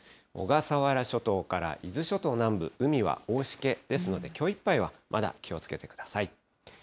小笠原諸島から伊豆諸島南部、海は大しけですので、きょういっぱいはまだ気をつけてください。